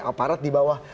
aparat di bawah